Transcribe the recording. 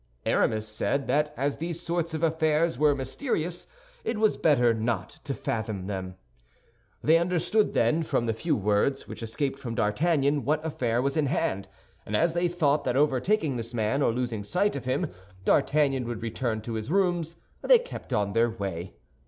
Aramis said that as these sorts of affairs were mysterious, it was better not to fathom them. They understood, then, from the few words which escaped from D'Artagnan, what affair was in hand, and as they thought that overtaking his man, or losing sight of him, D'Artagnan would return to his rooms, they kept on their way.